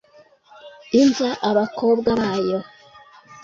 imva abakobwa bayo.